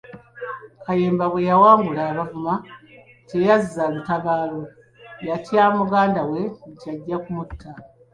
Kayemba bwe yawangula Abavuma teyazza lutabaalo, yatya muganda we nti ajja kumutta.